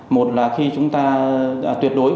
một là khi chúng ta tuyệt đối khỏe